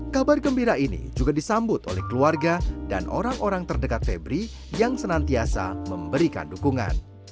kabar gembira ini juga disambut oleh keluarga dan orang orang terdekat febri yang senantiasa memberikan dukungan